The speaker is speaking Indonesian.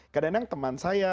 kadang kadang teman saya